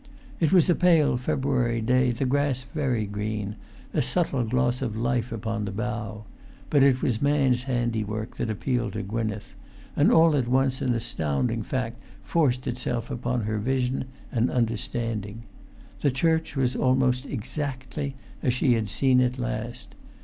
It was a pale February day, the grass very green, a subtle gloss of life upon the bough; but it was man's handiwork that appealed to Gwynneth; and all at once an astounding fact forced itself upon her vision and understanding. The church was almost exactly as she had seen it last.